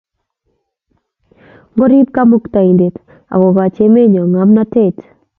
Ngoriip Kamuktaindet akokoch emet nyo ngomnatet